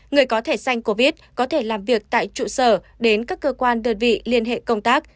người có thẻ xanh covid có thể làm việc tại trụ sở đến các cơ quan đơn vị liên hệ công tác